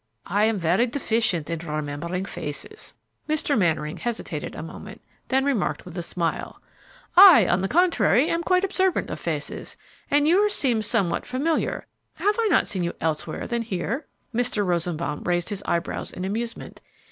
I am very deficient in remembering faces." Mr. Mannering hesitated a moment, then remarked with a smile, "I, on the contrary, am quite observant of faces, and yours seems somewhat familiar; have I not seen you elsewhere than here?" Mr. Rosenbaum raised his eyebrows in amusement.